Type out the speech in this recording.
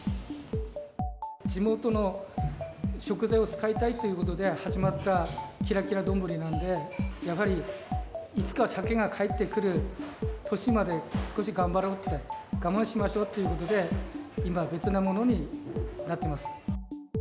地元の食材を使いたいということで始まったキラキラ丼なんで、やはり、いつかサケが帰ってくる年まで少し頑張ろうって、我慢しましょうっていうことで、今、別なものになっています。